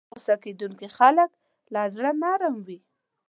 ژر غصه کېدونکي خلک له زړه نرم وي.